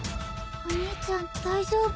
お兄ちゃん大丈夫？